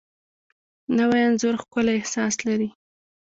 نوی انځور ښکلی احساس لري